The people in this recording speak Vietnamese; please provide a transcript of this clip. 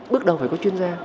bước đầu phải có chuyên gia